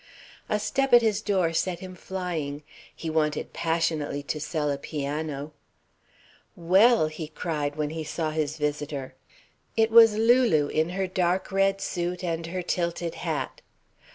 A step at his door set him flying. He wanted passionately to sell a piano. "Well!" he cried, when he saw his visitor. It was Lulu, in her dark red suit and her tilted hat.